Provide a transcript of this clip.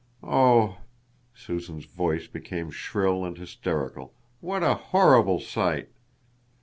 Oh," Susan's voice became shrill and hysterical, "what a horrible sight!"